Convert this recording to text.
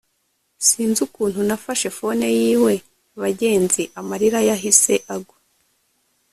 sinzi ukuntu nafashe fone yiwe bagenzi amarira yahise agwa